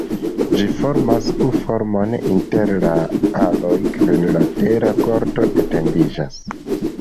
Ĝi formas U-formon, inter la aloj kvinlatera korto etendiĝas.